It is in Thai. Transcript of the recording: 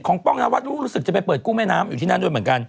ป้องนวัดรู้สึกจะไปเปิดกุ้งแม่น้ำอยู่ที่นั่นด้วยเหมือนกัน